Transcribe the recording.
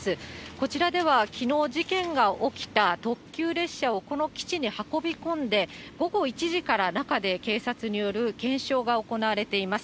こちらでは、きのう、事件が起きた特急列車をこの基地に運び込んで、午後１時から中で警察による検証が行われています。